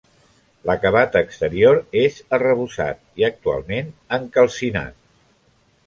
L'acabat exterior és arrebossat i, actualment, encalcinat.